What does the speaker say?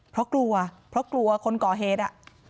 เพราะกลัวเพราะกลัวคนก่อเหตุ